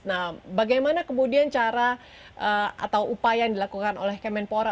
nah bagaimana kemudian cara atau upaya yang dilakukan oleh kemenpora